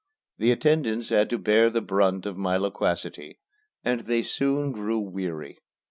The attendants had to bear the brunt of my loquacity, and they soon grew weary.